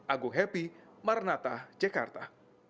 agung happy maranata jakarta